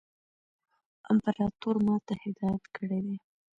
امپراطور ما ته هدایت کړی دی.